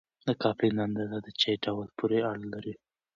د کافین اندازه د چای ډول پورې اړه لري.